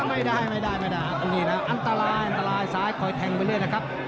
อ้าวไม่ได้อันตรายซ้ายคอยแทงไปเรื่อยนะครับ